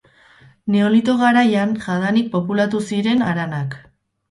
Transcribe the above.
Neolito garaian jadanik populatu ziren haranak.